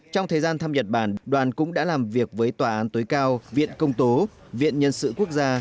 trong thời gian thăm nhật bản đoàn cũng đã làm việc với tòa án tối cao viện công tố viện nhân sự quốc gia